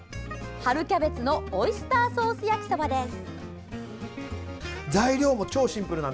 春キャベツのオイスターソース焼きそばです。